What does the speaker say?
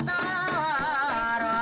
nah ini sudah hilang